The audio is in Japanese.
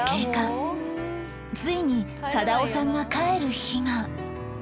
ついに貞雄さんが帰る日が